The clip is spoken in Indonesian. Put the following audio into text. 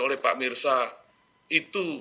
oleh pak mirsa itu